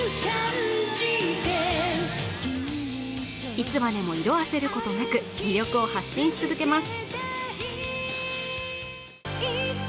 いつまでも色あせることなく魅力を発信し続けます。